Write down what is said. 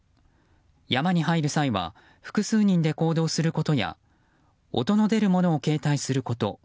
山に入る際は複数人で行動することや音の出るものを携帯すること